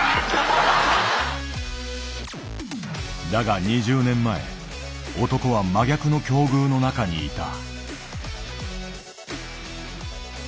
だが２０年前男は真逆の境遇の中にいた。